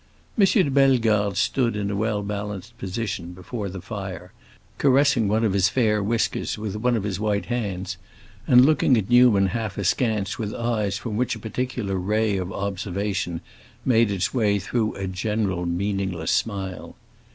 M. de Bellegarde stood in a well balanced position before the fire, caressing one of his fair whiskers with one of his white hands, and looking at Newman, half askance, with eyes from which a particular ray of observation made its way through a general meaningless smile.